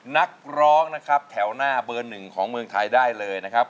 นักร้องนะครับแถวหน้าเบอร์หนึ่งของเมืองไทยได้เลยนะครับ